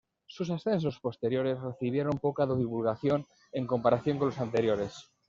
Sus ascensos posteriores recibieron poca divulgación en comparación con los anteriores.